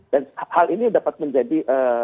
dan hal ini dapat menjadi